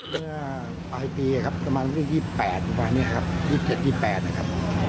เมื่อปลายปีประมาณ๒๘กว่านี้ครับ๒๗๒๘นะครับ